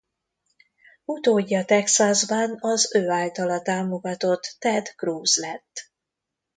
Utódja Texasban az ő általa támogatott Ted Cruz lett.